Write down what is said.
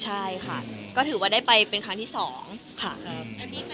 ใช่ค่ะซึ่งให้มาสุรภาพที่สองระหว่างไญ่ที่เกิดไป